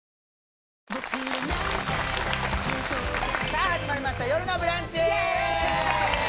さあ始まりました「よるのブランチ」